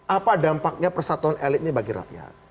apa dampaknya persatuan elit ini bagi rakyat